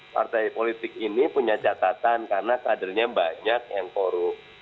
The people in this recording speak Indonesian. partai politik ini punya catatan karena kadernya banyak yang korup